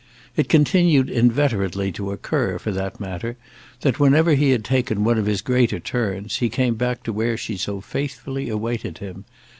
It continued inveterately to occur, for that matter, that whenever he had taken one of his greater turns he came back to where she so faithfully awaited him.